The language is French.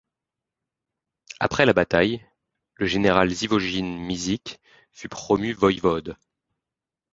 Après la bataille, le général Živojin Mišić fut promu voïvode.